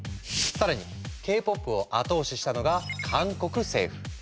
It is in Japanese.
更にＫ−ＰＯＰを後押ししたのが韓国政府。